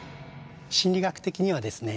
心理学的にはですね